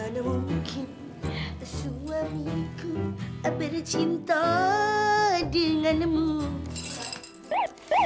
yang penting kan cantik ma